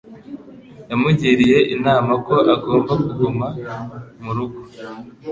Yamugiriye inama ko agomba kuguma mu rugo.